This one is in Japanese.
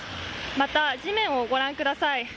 また、地面をご覧ください。